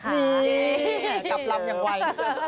กลับรับยังไว